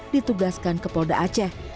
ditugaskan ke polda aceh